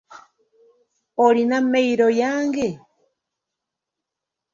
OIina mmeyiro yange?